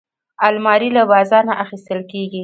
الماري له بازار نه اخیستل کېږي